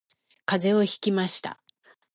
風邪をひきました